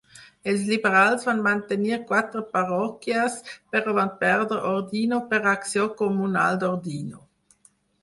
Els liberals van mantenir quatre parròquies però van perdre Ordino per Acció Comunal d'Ordino.